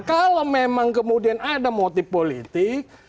kalau memang kemudian ada motif politik